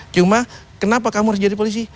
cuma kenapa kamu harus jadi polisi